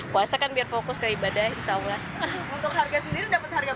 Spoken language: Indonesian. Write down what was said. puasa kan biar fokus ke ibadah insya allah